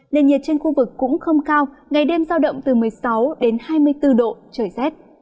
nền nhiệt trên khu vực cũng không cao ngày đêm giao động từ một mươi sáu hai mươi bốn độ trời rét